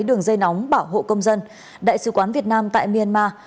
đường dây nóng bảo hộ công dân đại sứ quán việt nam tại myanmar